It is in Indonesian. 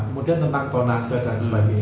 kemudian tentang tonase dan sebagainya